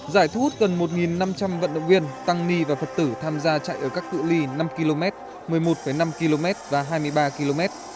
giải thu hút gần một năm trăm linh vận động viên tăng ni và phật tử tham gia chạy ở các cự li năm km một mươi một năm km và hai mươi ba km